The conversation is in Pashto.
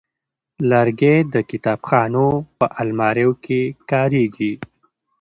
لرګی د کتابخانو په الماریو کې کارېږي.